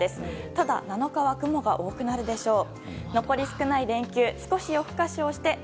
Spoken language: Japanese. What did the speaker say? ただ、７日は雲が多くなるでしょう。